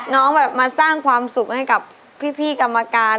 น้องแบบมาสร้างความสุขให้กับพี่กรรมการ